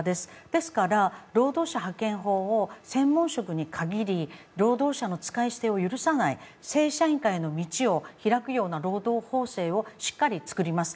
ですから、労働者派遣法を専門職に限り、労働者の使い捨てを許さない、正社員化への道を開くような労働法制をしっかり作ります。